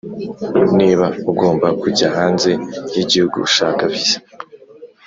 Niba ugomba kujya hanze y igihugu shaka visa